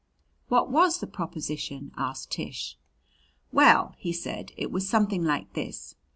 "What was the proposition?" asked Tish. "Well," he said, "it was something like this.